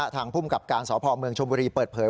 ภูมิกับการสพเมืองชมบุรีเปิดเผย